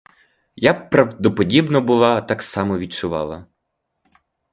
Я б правдоподібно була так само відчувала.